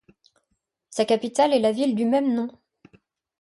Sa capitale est la ville du même nom.